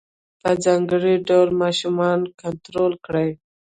په ځانګړي ډول ماشومان کنترول کړي.